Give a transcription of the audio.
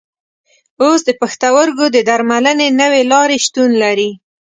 اوس د پښتورګو د درملنې نوې لارې شتون لري.